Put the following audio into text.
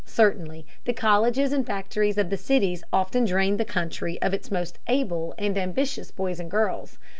Certainly the colleges and factories of the cities often drain the country of its most able and ambitious boys and girls.